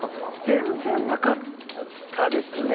全然なかったですね